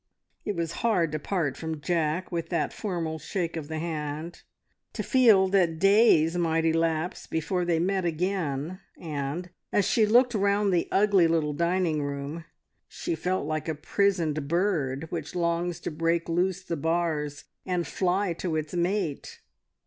It was hard to part from Jack with that formal shake of the hand, to feel that days might elapse before they met again, and, as she looked round the ugly little dining room, she felt like a prisoned bird which longs to break loose the bars and fly to its mate.